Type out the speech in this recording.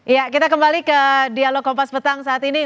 ya kita kembali ke dialog kompas petang saat ini